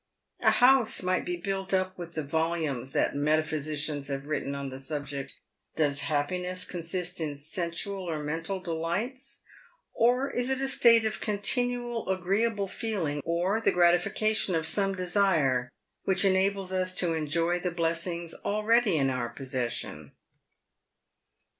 A house might be built up with the volumes that metaphysicians have written on the subject. Does happiness consist in sensual or mental delights, or is it a state of continual agreeable feeling, or the gratification of some desire which enables us to enjoy the blessings already in our possession